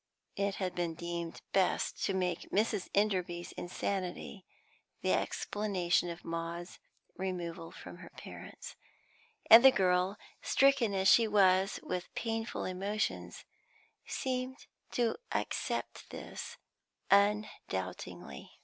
It had been deemed best to make Mrs. Enderby's insanity the explanation of Maud's removal from her parents, and the girl, stricken as she was with painful emotions, seemed to accept this undoubtingly.